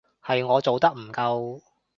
係我做得唔夠